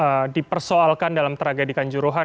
yang dipersoalkan dalam tragedi kanjuruhan